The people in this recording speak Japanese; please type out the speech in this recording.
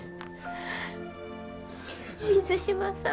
水島さん。